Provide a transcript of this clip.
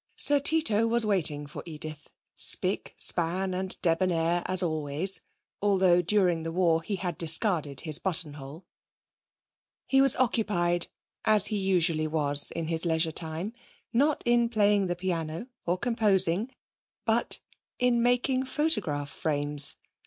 Sir Tito was waiting for Edith, spick, span and debonair as always (although during the war he had discarded his buttonhole). He was occupied, as he usually was in his leisure time, not in playing the piano or composing, but in making photograph frames!